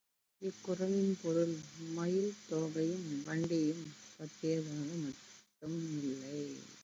இக்குறளின் பொருள் மயில் தோகையையும் வண்டியையும் பற்றியதாக மட்டுமில்லை.